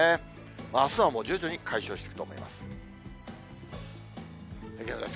あすはもう、徐々に解消していくと思います。